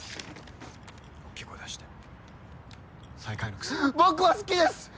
おっきい声出して最下位のくせに僕は好きです！